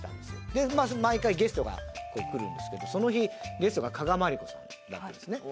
でまあ毎回ゲストが来るんですけどその日ゲストが加賀まりこさんだったんですね。